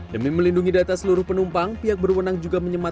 demi melindungi data seluruh penumpang pihak berwenang juga menyempatkan